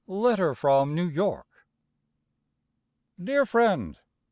Letter From New York. Dear friend.